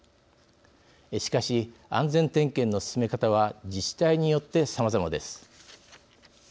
しかし安全点検の進め方は自治体によってさまざまです。